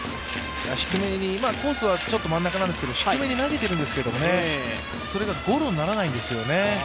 コースは真ん中なんですけれども、低めに投げてるんですけどそれがゴロにならないんですよね。